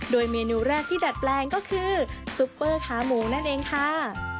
โดยเมนูแรกที่ดัดแปลงก็คือซุปเปอร์ขาหมูนั่นเองค่ะ